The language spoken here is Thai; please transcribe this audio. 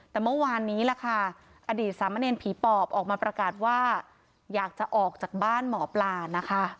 แต่เมื่อวานนี้ล่ะค่ะอดีตสามเณรผีปอบออกมาประกาศว่าอยากจะออกจากบ้านหมอปลานะคะ